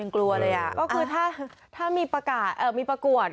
ก็คือถ้ามีประกาสมีประกวด